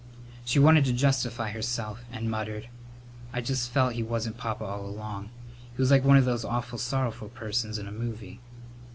She wanted to justify herself, and muttered: "I just felt he wasn't Papa all along. He was like one of those awful sorrowful persons in a movie."